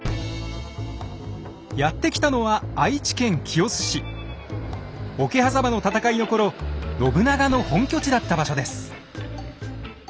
やって来たのは桶狭間の戦いの頃信長の本拠地だった場所です。